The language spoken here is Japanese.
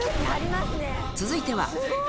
続いては。